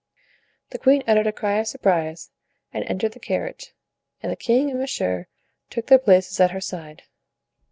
The queen uttered a cry of surprise and entered the carriage, and the king and monsieur took their places at her side.